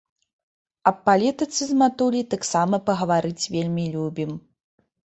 Аб палітыцы з матуляй таксама пагаварыць вельмі любім.